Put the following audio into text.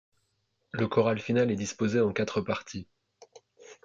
Le choral final est disposé en quatre parties.